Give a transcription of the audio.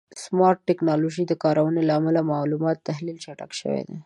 د سمارټ ټکنالوژیو د کارونې له امله د معلوماتو تحلیل چټک شوی دی.